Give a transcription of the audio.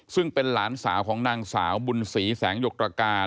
ซึ่งเป็นหลานสาวของนางสาวบุญศรีแสงหยกตรการ